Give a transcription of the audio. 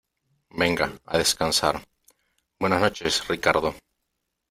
venga , a descansar . buenas noches , Ricardo .